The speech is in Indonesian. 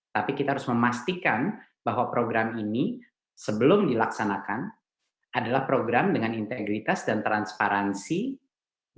tapi kita harus memastikan bahwa program ini sebelum dilaksanakan adalah program dengan integritas dan transparansi